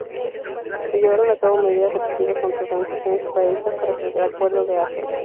Se llevaron acabo medidas represivas contra organizaciones separatistas tras el acuerdo de Argel.